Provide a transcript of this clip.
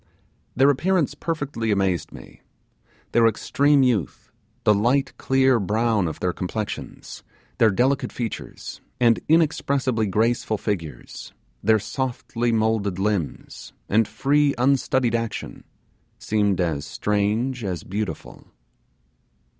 Their appearance perfectly amazed me; their extreme youth, the light clear brown of their complexions, their delicate features, and inexpressibly graceful figures, their softly moulded limbs, and free unstudied action, seemed as strange as beautiful.